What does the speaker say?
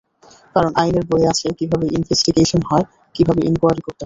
কারণ, আইনের বইয়ে আছে, কীভাবে ইনভেস্টিগেশন হয়, কীভাবে ইনকোয়ারি করতে হয়।